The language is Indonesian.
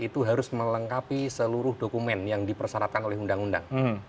itu harus melengkapi seluruh dokumen yang dipersyaratkan oleh undang undang